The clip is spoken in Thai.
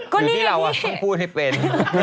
คือที่เราต้องพูดให้เป็น